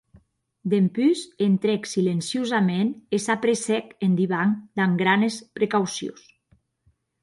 Dempús entrèc silenciosaments e s’apressèc en divan damb granes precaucions.